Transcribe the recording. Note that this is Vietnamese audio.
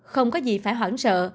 không có gì phải hoảng sợ